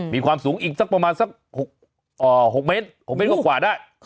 มีความสูงอีกประมาณสัก๖เมตรกว่าได้